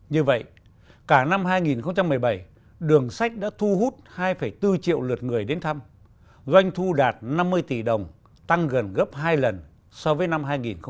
như vậy cả năm hai nghìn một mươi bảy đường sách đã thu hút hai bốn triệu lượt người đến thăm doanh thu đạt năm mươi tỷ đồng tăng gần gấp hai lần so với năm hai nghìn một mươi bảy